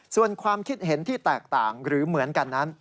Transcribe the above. ส่วนความคิดเห็นที่แตกต่างหรือเหมือนกันนั้น